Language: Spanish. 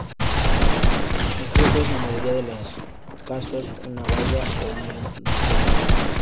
El fruto es en la mayoría de los casos una baya o una drupa.